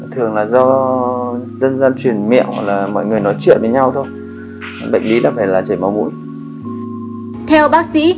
theo bác sĩ